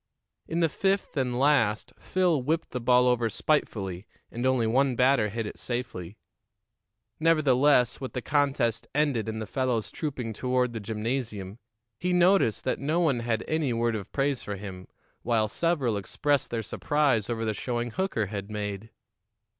In the fifth and last, Phil whipped the ball over spitefully, and only one batter hit it safely. Nevertheless, with the contest ended and the fellows trooping toward the gymnasium, he noticed that no one had any word of praise for him, while several expressed their surprise over the showing Hooker had made.